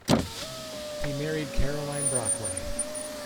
He married Caroline Brockway.